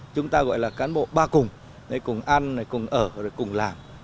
chúng ta gọi là cán bộ ba cùng cùng ăn cùng ở cùng làm